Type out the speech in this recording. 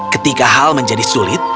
ketika hal menjadi sulit